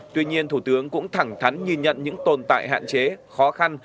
tuy nhiên thủ tướng cũng thẳng thắn nhìn nhận những tồn tại hạn chế khó khăn